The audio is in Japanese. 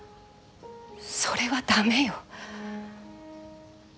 それは駄目よ。